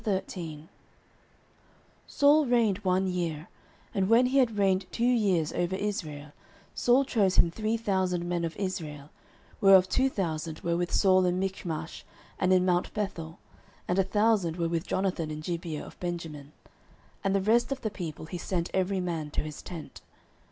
09:013:001 Saul reigned one year; and when he had reigned two years over Israel, 09:013:002 Saul chose him three thousand men of Israel; whereof two thousand were with Saul in Michmash and in mount Bethel, and a thousand were with Jonathan in Gibeah of Benjamin: and the rest of the people he sent every man to his tent.